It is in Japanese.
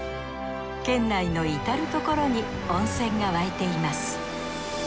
県内のいたるところに温泉が湧いています。